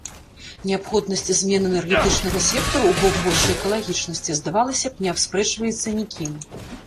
Неабходнасць змен энергетычнага сектару ў бок большай экалагічнасці, здавалася б, не аспрэчваецца ні кім.